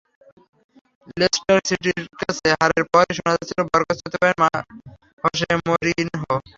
Leicester সিটির কাছে হারের পরেই শোনা যাচ্ছিল, বরখাস্ত হতে পারেন হোসে মরিনহো।